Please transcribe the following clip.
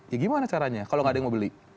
ya gimana caranya kalau nggak ada yang mau beli